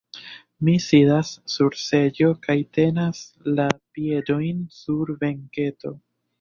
Mi sidas sur seĝo kaj tenas la piedojn sur benketo.